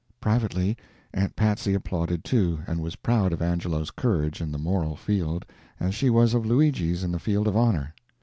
Privately, Aunt Patsy applauded too, and was proud of Angelo's courage in the moral field as she was of Luigi's in the field of honor.